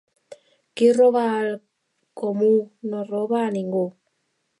Qui roba al comú no roba a ningú.